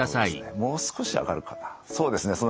もう少し上がるかな。